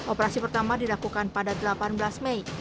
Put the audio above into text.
operasi pertama dilakukan pada delapan belas mei